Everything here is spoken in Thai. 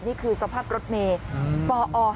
นี่คือสภาพรถเมฆปอ๕๒๒